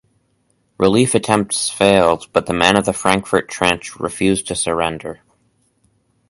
Relief attempts failed, but the men of the Frankfurt trench refused to surrender.